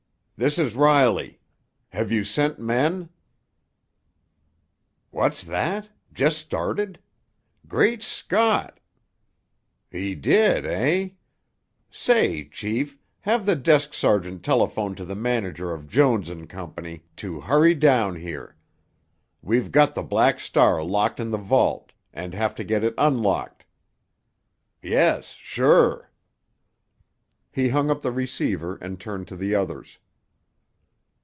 "This is Riley? Have you sent men? What's that—just started? Great Scott—— He did, eh? Say, chief, have the desk sergeant telephone to the manager of Jones & Co. to hurry down here. We've got the Black Star locked in the vault, and have to get it unlocked. Yes—sure!" He hung up the receiver and turned to the others.